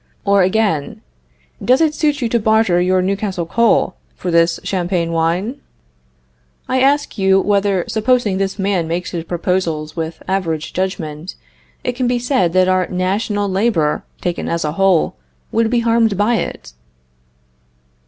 or, again, Does it suit you to barter your Newcastle coal for this Champagne wine? I ask you whether, supposing this man makes his proposals with average judgment, it can be said that our national labor, taken as a whole, would be harmed by it?